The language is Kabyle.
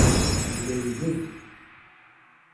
Yella ibedd.